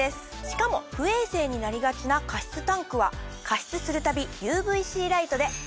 しかも不衛生になりがちな加湿タンクは加湿するたびＵＶーＣライトで。